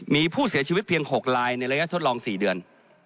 มีผู้เสียชีวิตเพียง๖ลายในระยะทดลอง๔เดือน